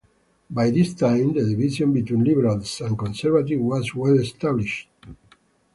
By this time the division between liberals and conservatives was well established.